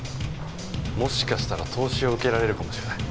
もしかしたら投資を受けられるかもしれない。